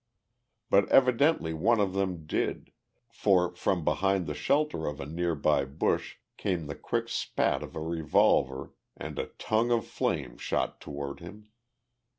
But evidently one of them did, for from behind the shelter of a near by bush came the quick spat of a revolver and a tongue of flame shot toward him.